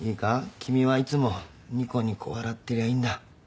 君はいつもにこにこ笑ってりゃいいんだ。